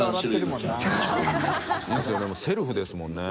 もうセルフですもんね。